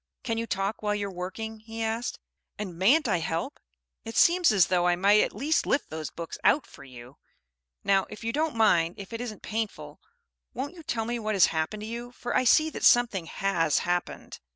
"Can you talk while you're working?" he asked. "And mayn't I help? It seems as though I might at least lift those books out for you. Now, if you don't mind, if it isn't painful, won't you tell me what has happened to you, for I see that something has happened."